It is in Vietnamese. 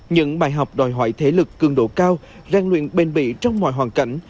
những bài học đòi hỏi thể lực cường độ cao gian luyện bền bị trong mọi hoàn cảnh